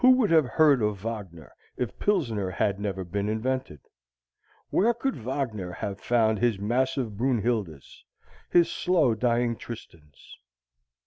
Who would have heard of Wagner if Pilsener had never been invented? Where could Wagner have found his massive Brunhildes, his slow dying Tristans?